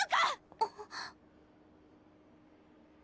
あっ。